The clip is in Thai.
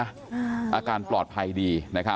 พี่สาวอายุ๗ขวบก็ดูแลน้องดีเหลือเกิน